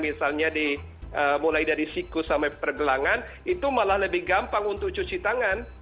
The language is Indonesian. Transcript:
misalnya mulai dari siku sampai pergelangan itu malah lebih gampang untuk cuci tangan